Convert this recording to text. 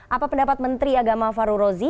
apa pendapat menteri agama faru rozi